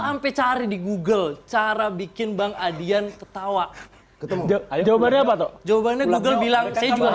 sampai cari di google cara bikin bang adian ketawa ketemu jawabannya apa tuh jawabannya google bilang saya juga